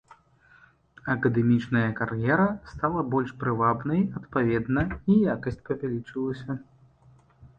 Акадэмічная кар'ера стала больш прывабнай, адпаведна, і якасць павялічылася.